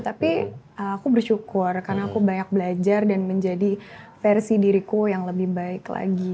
tapi aku bersyukur karena aku banyak belajar dan menjadi versi diriku yang lebih baik lagi